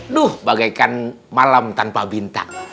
duh bagaikan malam tanpa bintang